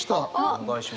お願いします。